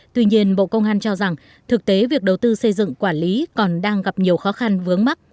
tuy nhiên bộ công an cho rằng thực tế việc đầu tư xây dựng quản lý còn đang gặp nhiều khó khăn vướng mắt